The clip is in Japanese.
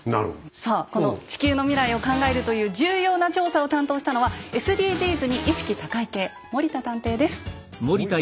さあこの地球の未来を考えるという重要な調査を担当したのはＳＤＧｓに意識高い系森田探偵です。